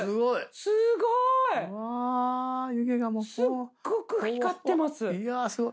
すっごく光ってます。